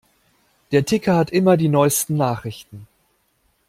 Der Ticker hat immer die neusten Nachrichten.